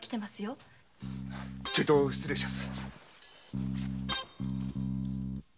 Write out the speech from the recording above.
ちょいと失礼します。